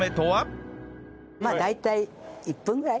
まあ大体１分ぐらい。